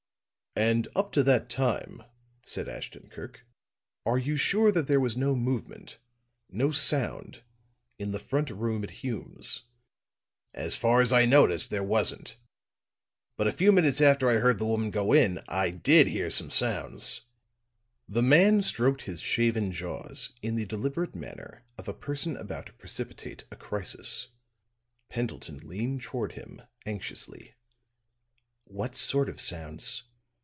"And up to that time," said Ashton Kirk, "are you sure that there was no movement no sound in the front room at Hume's?" "As far as I noticed, there wasn't. But a few minutes after I heard the woman go in, I did hear some sounds." The man stroked his shaven jaws in the deliberate manner of a person about to precipitate a crisis. Pendleton leaned toward him, anxiously. "What sort of sounds?"